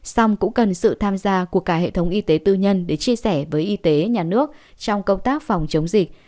xong cũng cần sự tham gia của cả hệ thống y tế tư nhân để chia sẻ với y tế nhà nước trong công tác phòng chống dịch